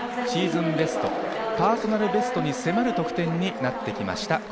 シーズンベスト、パーソナルベストに迫る得点になってきました。